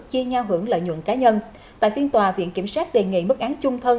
chia nhau hưởng lợi nhuận cá nhân tại phiên tòa viện kiểm sát đề nghị mức án trung thân